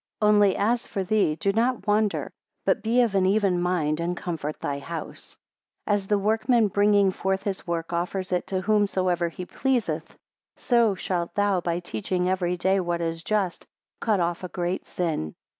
Only as for thee, do not wander, but be of an even mind, and comfort thy house. 24 As the workman bringing forth his work, offers it to whomsoever he pleaseth; so shalt thou by teaching every day what is just, cut off a great sin.